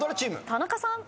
田中さん。